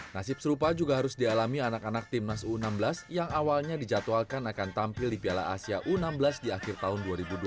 nasib serupa juga harus dialami anak anak timnas u enam belas yang awalnya dijadwalkan akan tampil di piala asia u enam belas di akhir tahun dua ribu dua puluh